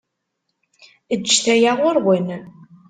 Eǧǧet aya ɣur-wen.